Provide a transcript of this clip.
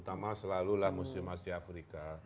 utama selalulah museum asia afrika